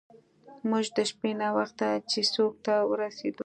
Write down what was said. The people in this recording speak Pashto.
موږ د شپې ناوخته چیسوک ته ورسیدو.